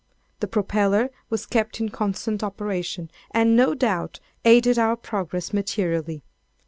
The propeller was kept in constant operation, and, no doubt, aided our progress materially.